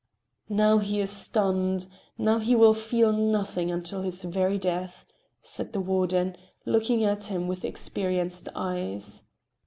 "Now he is stunned, now he will feel nothing until his very death," said the warden, looking at him with experienced eyes.